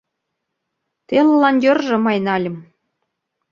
Телылан йӧржӧ май нальым;